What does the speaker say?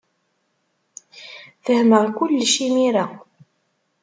Fehmeɣ kullec imir-a.